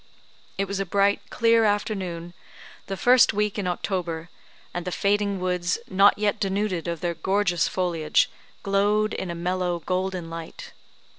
It was a bright, clear afternoon, the first week in October, and the fading woods, not yet denuded of their gorgeous foliage, glowed in a mellow, golden light.